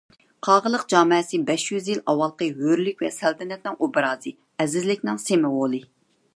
قاغىلىق جامەسى بەش يۈز يىل ئاۋۋالقى ھۆرلۈك ۋە سەلتەنەتنىڭ ئوبرازى، ئەزىزلىكنىڭ سىمۋولى.